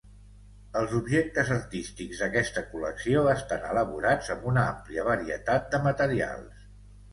Els objectes artístics d'aquesta col·lecció estan elaborats amb una àmplia varietat de materials.